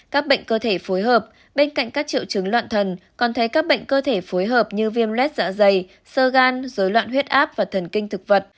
các bệnh cơ thể phối hợp bên cạnh các triệu chứng loạn thần còn thấy các bệnh cơ thể phối hợp như viêm lết dạ dày sơ gan dối loạn huyết áp và thần kinh thực vật